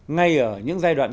ngay ở những giai đoạn